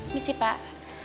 ini sih pak